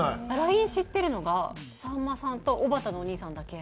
ＬＩＮＥ知ってるのがさんまさんとおばたのお兄さんだけ。